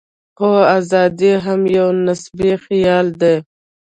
خو ازادي هم یو نسبي خیال دی.